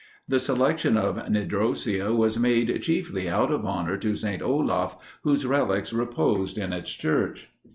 The selection of Nidrosia was made chiefly out of honor to St. Olaff, whose relics reposed in its church.